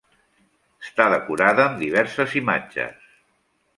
Està decorada amb diverses imatges.